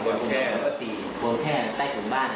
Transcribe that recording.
คนแควิงใต้ผมบ้าน